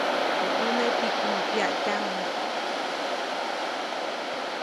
Teʼ ʼune pikumä pyaʼtyaju.